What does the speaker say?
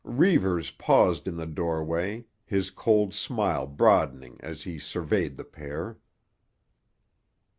Reivers paused in the doorway, his cold smile broadening as he surveyed the pair.